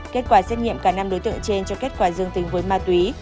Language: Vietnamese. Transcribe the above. kết quả xét nghiệm cả năm đối tượng trên cho kết quả dương tính với ma túy